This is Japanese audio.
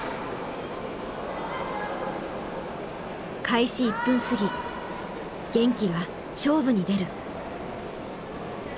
開始１分すぎ玄暉が勝負に出る。